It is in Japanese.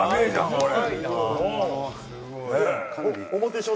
これ。